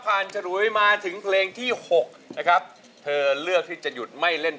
ฉลุยมาถึงเพลงที่หกนะครับเธอเลือกที่จะหยุดไม่เล่น